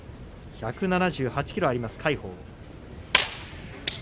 １７８ｋｇあります、魁鵬。